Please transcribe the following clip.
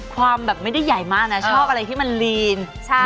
ความแบบไม่ได้ใหญ่มากนะชอบอะไรที่มันลีน